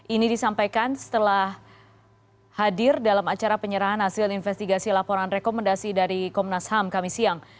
ini disampaikan setelah hadir dalam acara penyerahan hasil investigasi laporan rekomendasi dari komnas ham kami siang